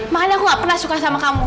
makanya aku gak pernah suka sama kamu